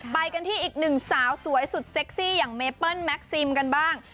ไปกันที่อีกหนึ่งสาวสวยสุดเซ็กซี่อย่างเมเปิ้ลแม็กซิมกันบ้าง